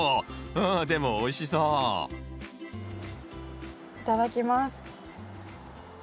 うんでもおいしそういただきます。